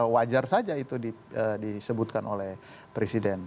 wajar saja itu disebutkan oleh presiden